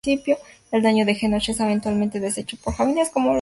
El daño de Genosha es eventualmente deshecho por Haven.